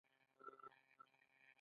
د تهران نفوس تر لس میلیونه ډیر دی.